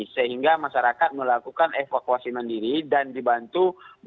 sehingga masyarakat melakukan evakuasi mandiri dan dibantu